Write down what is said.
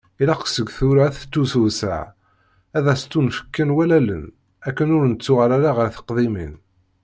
Ilaq seg tura, ad tettusewseɛ, ad as-ttunefken wallalen, akken ur nettuɣal ara ɣer teqdimin.